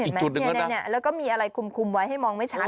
อีกจุดหนึ่งแล้วน่ะนี่นี่แล้วก็มีอะไรคุมคุมไว้ให้มองไม่ชัด